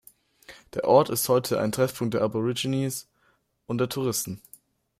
Der Ort ist heute ein Treffpunkt der Aborigines und der Touristen.